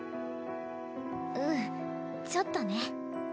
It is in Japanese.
うんちょっとね。